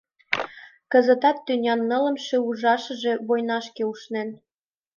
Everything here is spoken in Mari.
Кызытат тӱнян нылымше ужашыже войнашке ушнен.